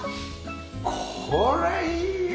これいいよ！